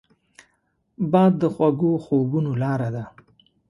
باد د خوږو خوبونو لاره ده